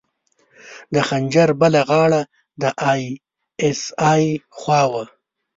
د خنجر بله غاړه د ای اس ای خوا وه.